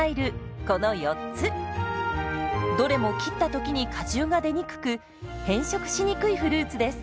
どれも切った時に果汁が出にくく変色しにくいフルーツです。